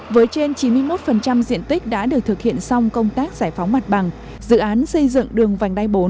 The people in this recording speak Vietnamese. với trên chín mươi một diện tích đã được thực hiện xong công tác giải phóng mặt bằng dự án xây dựng đường vành đai bốn